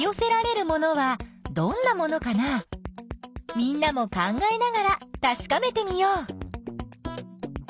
みんなも考えながらたしかめてみよう。